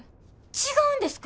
違うんですか？